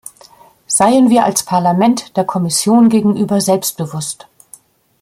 Seien wir als Parlament der Kommission gegenüber selbstbewusst!